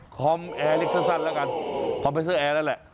คอมแอร์เล็กสั้นสั้นแล้วกันคอมเฟสเซอร์แอร์แล้วแหละค่ะ